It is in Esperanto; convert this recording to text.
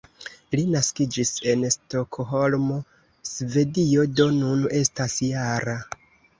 Li naskiĝis en Stokholmo, Svedio, do nun estas -jara.